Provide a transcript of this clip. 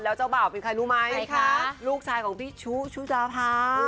แล้วเจ้าบ่าวเป็นใครรู้ไหมคะลูกชายของพี่ชุชุดาภา